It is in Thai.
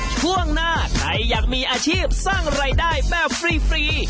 ช่วงหน้าใครอยากมีอาชีพสร้างรายได้แบบฟรี